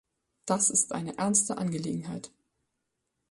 Das ist eine ernste Angelegenheit.